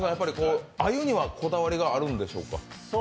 こだわりがあるんでしょうか？